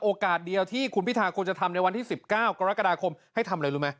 เดียวที่คุณพิทาควรจะทำในวันที่๑๙กรกฎาคมให้ทำอะไรรู้ไหม